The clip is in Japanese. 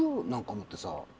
思ってさ。